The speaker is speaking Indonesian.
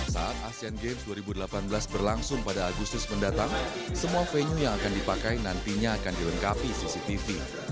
saat asean games dua ribu delapan belas berlangsung pada agustus mendatang semua venue yang akan dipakai nantinya akan dilengkapi cctv